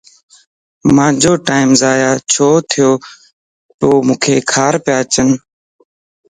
مانجو ٽيم ضائع ڇتوپومانک کارتا اچين